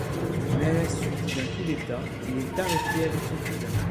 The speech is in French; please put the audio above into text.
Mais à la suite d'un coup d'État, il est arrêté avec son cousin.